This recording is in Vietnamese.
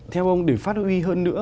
theo ông để phát huy hơn nữa